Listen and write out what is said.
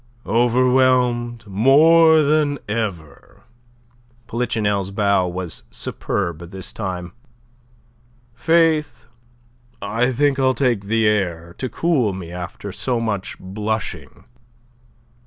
"Overwhelmed more than ever." Polichinelle's bow was superb this time. "Faith, I think I'll take the air to cool me after so much blushing."